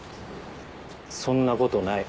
そんなことない。